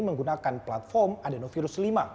menggunakan platform adenovirus lima